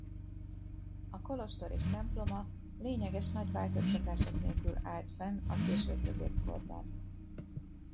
A kolostor és temploma lényeges nagy változtatások nélkül állt fenn a késő középkorban.